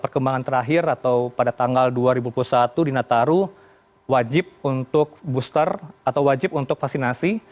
perkembangan terakhir atau pada tanggal dua ribu dua puluh satu di nataru wajib untuk booster atau wajib untuk vaksinasi